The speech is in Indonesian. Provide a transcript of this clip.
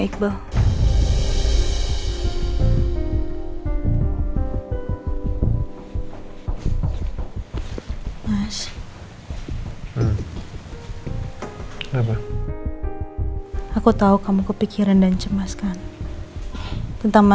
ia tunggu perintah selanjutnya